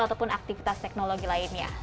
ataupun aktivitas teknologi lainnya